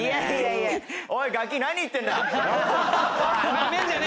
おいガキ何言ってるんだ？